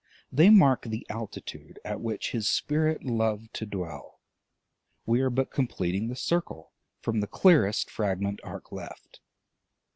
They mark the altitude at which his spirit loved to dwell. We are but completing the circle from the clearest fragment arc left.